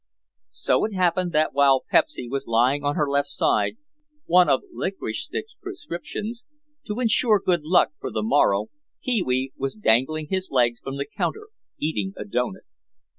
So it happened that while Pepsy was lying on her left side (one of Licorice Stick's prescriptions) to insure good luck for the morrow, Pee wee was dangling his legs from the counter eating a doughnut.